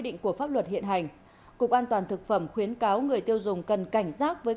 định của pháp luật hiện hành cục an toàn thực phẩm khuyến cáo người tiêu dùng cần cảnh giác với